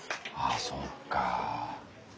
あそっか。